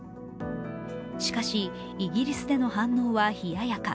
しかしイギリスでの反応は冷やか。